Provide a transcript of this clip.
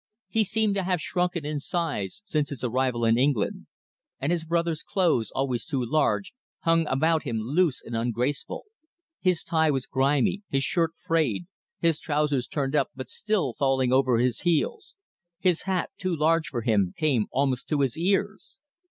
He seemed to have shrunken in size since his arrival in England, and his brother's clothes, always too large, hung about him loose and ungraceful. His tie was grimy; his shirt frayed; his trousers turned up, but still falling over his heels; his hat, too large for him, came almost to his ears.